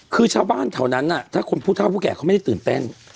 คือชาวบ้านแถวนั้นถ้าคนผู้เท่าผู้แก่เขาไม่ได้ตื่นเต้น